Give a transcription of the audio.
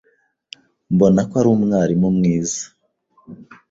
Mbona ko ari umwarimu mwiza.